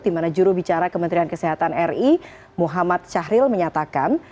di mana juru bicara kementerian kesehatan ri muhammad cahril menyatakan